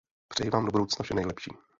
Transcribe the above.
Přeji vám do budoucna vše nejlepší.